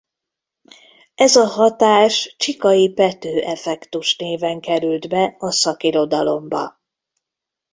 Ez a hatás Csikai–Pető-effektus néven került be a szakirodalomba.